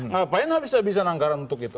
ngapain habis habisan anggaran untuk itu